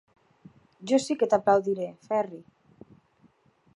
Jo sí que t'aplaudiré, Ferri.